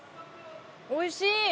おいしい！